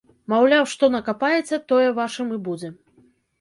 Маўляў, што накапаеце, тое вашым і будзе.